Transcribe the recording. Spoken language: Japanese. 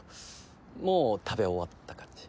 もう食べ終わった感じ？